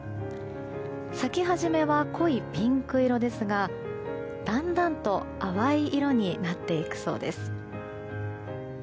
咲き始めは濃いピンク色ですがだんだんと淡い色になっていくそうです。